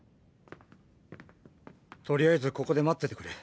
とりあえずここで待っててくれ。